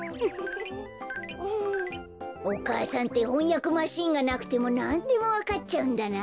お母さんってほんやくマシーンがなくてもなんでもわかっちゃうんだな。